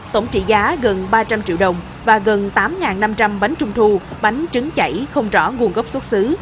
tổng trị giá gần ba trăm linh triệu đồng và gần tám năm trăm linh bánh trung thu bánh trứng chảy không rõ nguồn gốc xuất xứ